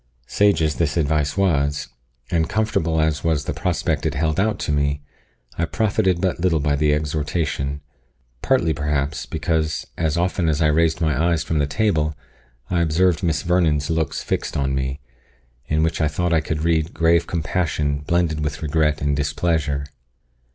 Sage as this advice was, and comfortable as was the prospect it held out to me, I profited but little by the exhortation partly, perhaps, because, as often as I raised my eyes from the table, I observed Miss Vernon's looks fixed on me, in which I thought I could read grave compassion blended with regret and displeasure.